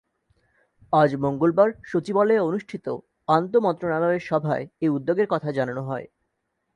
আজ মঙ্গলবার সচিবালয়ে অনুষ্ঠিত আন্তমন্ত্রণালয়ের সভায় এ উদ্যোগের কথা জানানো হয়।